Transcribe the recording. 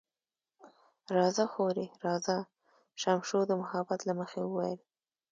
راځه خورې، راځه، شمشو د محبت له مخې وویل.